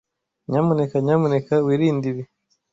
Nyamuneka nyamuneka wirinde ibi.